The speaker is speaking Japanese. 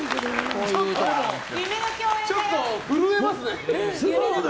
ちょっと震えますね。